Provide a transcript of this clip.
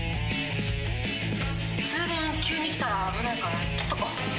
通電、急に来たら危ないから、切っとこう。